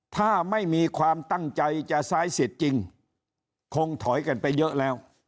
ถ้าไม่มีความตั้งใจจะซ้ายสิทธิ์จริงคงถอยกันไปเยอะแล้ว